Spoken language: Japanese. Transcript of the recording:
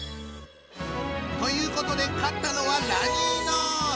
ということで勝ったのはラニーノーズ！